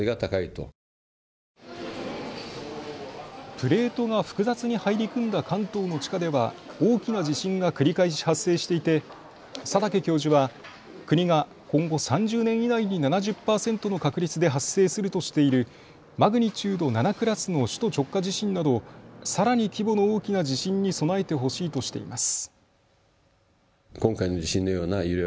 プレートが複雑に入り組んだ関東の地下では大きな地震が繰り返し発生していて佐竹教授は国が今後、３０年以内に７０％の確率で発生するとしているマグニチュード７クラスの首都直下地震などさらに規模の大きな地震に備えてほしいとしています。